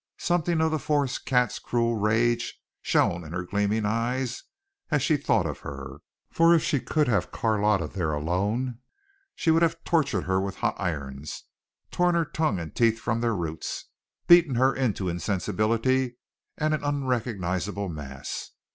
Something of the forest cat's cruel rage shone in her gleaming eyes as she thought of her, for if she could have had Carlotta there alone she would have tortured her with hot irons, torn her tongue and teeth from their roots, beaten her into insensibility and an unrecognizable mass.